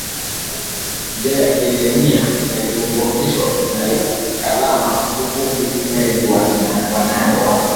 Njiya ya kalemie na lubumbashi inaikalaka vumbi mwezi wa nane